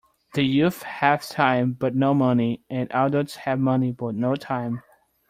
The youth have time but no money and adults have money but no time.